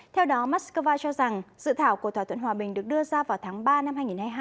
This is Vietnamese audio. theo đó moscow cho rằng dự thảo của thỏa thuận hòa bình được đưa ra vào tháng ba năm hai nghìn hai mươi hai